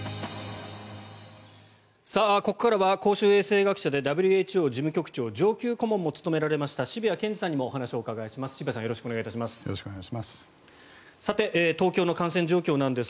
ここからは公衆衛生学者でＷＨＯ事務局長上級顧問も務められました渋谷健司さんにもお話をお伺いします。